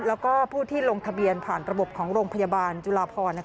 แล้วก็ผู้ที่ลงทะเบียนผ่านระบบของโรงพยาบาลจุลาพร